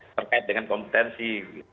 terkait dengan kompetensi